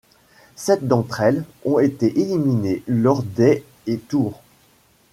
Sept d'entre elles ont été éliminées lors des et tours.